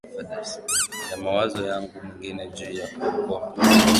ya mawazo yangu mengine juu ya kuokoa